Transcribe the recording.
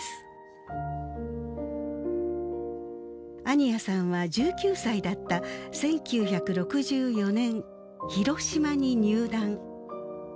安仁屋さんは１９歳だった１９６４年広島に入団。